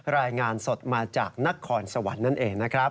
รายงานสดมาจากนครสวรรค์นั่นเองนะครับ